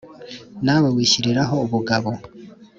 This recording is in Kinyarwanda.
na we wishyiriraho ubugabo,